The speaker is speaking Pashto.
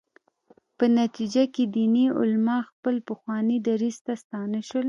په نتیجه کې دیني علما خپل پخواني دریځ ته ستانه شول.